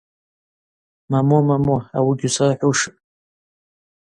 Момо-момо, ауи гьусырхӏвушым.